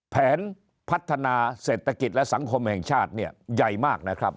แผนพัฒนาเศรษฐกิจและสังคมแห่งชาติเนี่ยใหญ่มากนะครับ